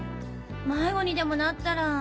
迷子にでもなったら。